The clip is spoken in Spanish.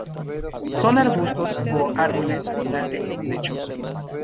Son arbustos o árboles con látex lechoso.